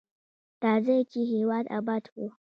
راځئ چې هیواد اباد کړو.